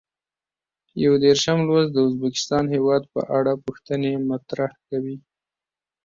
یو دېرشم لوست د ازبکستان هېواد په اړه پوښتنې مطرح کوي.